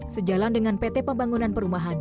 sejalan dengan pt pembangunan perumahan